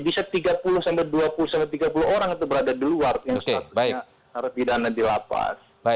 bisa tiga puluh sampai dua puluh sampai tiga puluh orang itu berada di luar yang statusnya pidana di lapas